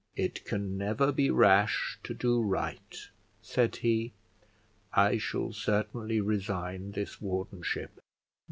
"It can never be rash to do right," said he. "I shall certainly resign this wardenship."